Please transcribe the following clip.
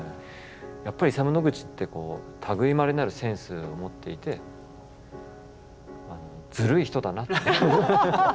やっぱりイサム・ノグチってこう類いまれなるセンスを持っていてずるい人だなって。